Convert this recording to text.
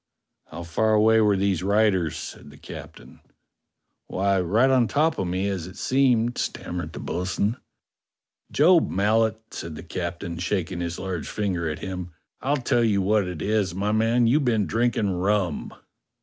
"How far away were these riders?" said the captain. 54 DOCTOR SYN "Why, right on top of me, as it seemed," stammered the bo'sun. "Job Mallet," said the captain, shaking his large finger at him, "I'll tell you what it is, my man: you've been drinking rum."